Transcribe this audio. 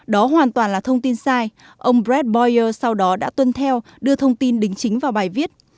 đó hoàn toàn là thông tin sai ông brett balyer sau đó đã tuân theo đưa thông tin đính chính vào bài viết